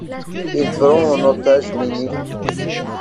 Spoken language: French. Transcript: Il prend en otage Minnie.